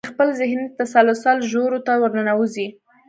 د خپل ذهني تسلسل ژورو ته ورننوځئ.